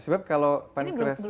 sebab kalau pancreasnya